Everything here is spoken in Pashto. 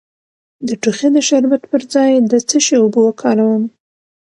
د ټوخي د شربت پر ځای د څه شي اوبه وکاروم؟